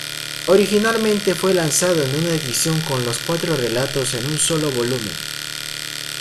Originalmente fue lanzado en una edición con los cuatro relatos en un solo volumen.